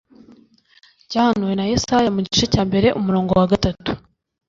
Cyahanuwe na Yesaya mu gice cya mbere umurongo wa gatatu